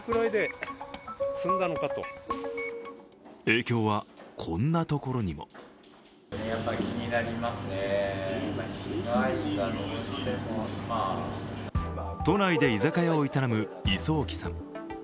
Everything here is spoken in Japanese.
影響はこんなところにも都内で居酒屋を営む磯沖さん。